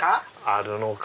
あるのか。